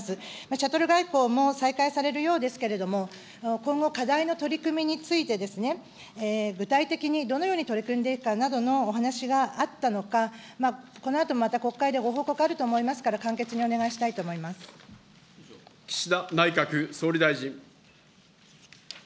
シャトル外交も再開されるようですけれども、今後、課題の取り組みについて、具体的にどのように取り組んでいくかなどのお話があったのか、このあとまた国会でご報告あると思いますから、簡潔にお願いした岸田内閣総理大臣。